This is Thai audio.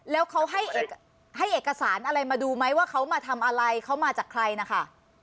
แล้วเขาให้เอกสารอะไรมาดูไหมว่าเขามาทำอะไรเขามาจากใครนะคะ